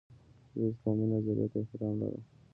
زه اسلامي نظرې ته احترام لرم.